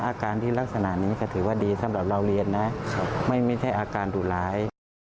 อาการที่ลักษณะนี้ก็ถือว่าดีสำหรับเราเรียนนะไม่ใช่อาการดุร้าย